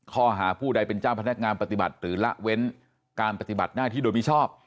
ข้อหาผู้ใดเป็นเจ้าพนักงานปฏิบัติหรือละเว้นการปฏิบัติหน้าที่โดยมิชอบ